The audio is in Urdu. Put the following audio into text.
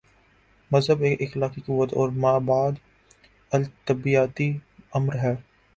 مذہب ایک اخلاقی قوت اور مابعد الطبیعیاتی امر ہے۔